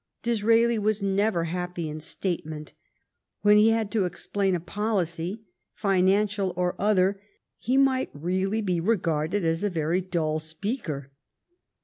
Disraeli was never happy in statement. When he had to explain a policy, financial or other, he might really be regarded as a very dull speaker.